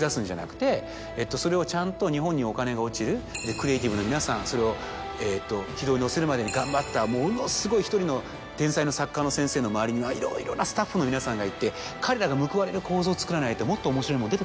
それをちゃんと日本にお金が落ちるクリエイティブの皆さんそれを軌道に乗せるまでに頑張ったものすごい１人の天才の作家の先生の周りにはいろいろなスタッフの皆さんがいて彼らが報われる構造を作らないともっと。